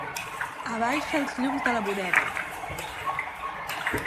Abaixa els llums de la bodega.